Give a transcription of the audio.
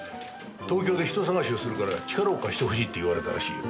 東京で人捜しをするから力を貸してほしいって言われたらしいよ。